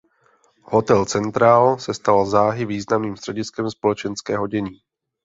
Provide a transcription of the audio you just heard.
Hotel Central se stal záhy významným střediskem společenského dění.